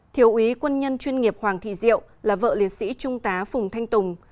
thiếu úy quân nhân chuyên nghiệp hoàng thị diệu là vợ liệt sĩ trung tá phùng thanh tùng